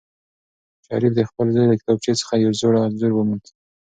شریف د خپل زوی له کتابچې څخه یو زوړ انځور وموند.